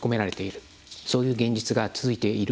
そういう現実が続いているわけです。